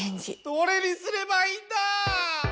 どれにすればいいんだ！